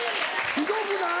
ひどくない。